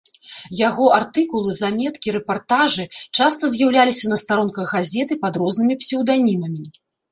Яго артыкулы, заметкі, рэпартажы часта з'яўляліся на старонках газеты пад рознымі псеўданімамі.